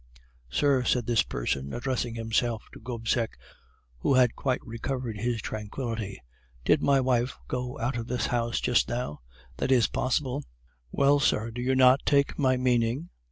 "'Sir,' said this person, addressing himself to Gobseck, who had quite recovered his tranquillity, 'did my wife go out of this house just now?' "'That is possible.' "'Well, sir? do you not take my meaning?